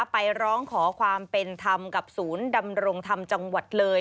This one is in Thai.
ไปร้องขอความเป็นธรรมกับศูนย์ดำรงธรรมจังหวัดเลย